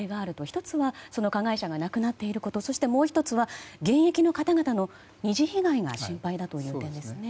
１つは加害者が亡くなっていることそして、もう１つは現役の方々の２次被害が心配だという点ですね。